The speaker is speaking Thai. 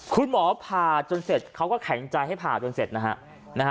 คุณหมอผ่าจนเสร็จเขาก็แข็งใจให้ผ่าจนเสร็จนะฮะ